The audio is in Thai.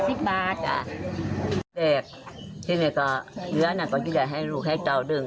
เด็กที่นี่ก็เหลือน่ะก็จะให้ลูกให้เจ้าดึง